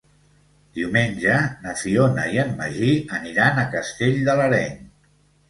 Diumenge na Fiona i en Magí aniran a Castell de l'Areny.